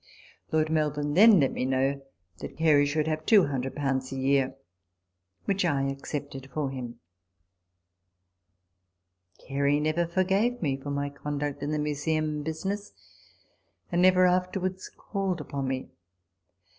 Lord Melbourne then let me know that Gary should have 200 a year ; which I accepted for him. Gary never forgave me for my conduct in the Museum business ; and never afterwards called upon me.